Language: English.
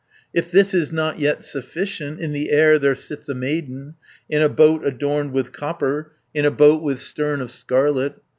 "If this is not yet sufficient, In the air there sits a maiden, 330 In a boat adorned with copper, In a boat with stern of scarlet.